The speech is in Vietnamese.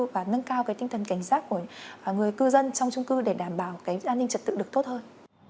và nâng cao cái tinh thần cảnh giác của người cư dân trong trung cư để đảm bảo an ninh trật tự được tốt hơn